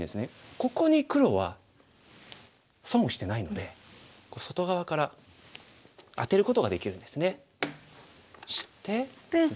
ここに黒は損をしてないので外側からアテることができるんですね。